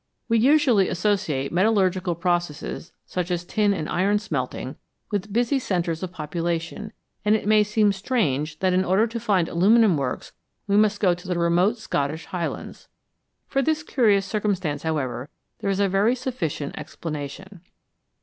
We usually associate metallurgical processes, such as tin and iron smelting, with busy centres of population, and it may seem strange that in order to find aluminium works we must go to the remote Scottish Highlands. For this curious circum stance, however, there is a very sufficient explanation.